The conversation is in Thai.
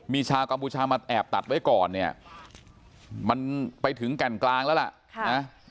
มีชาวกัมพูชามาแอบตัดไว้ก่อนเนี่ยมันไปถึงแก่นกลางแล้วล่ะนะ